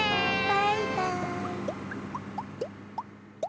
バイバーイ。